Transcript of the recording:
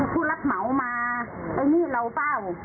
ผู้รับเหมามาไอ้นี่เราเปล่า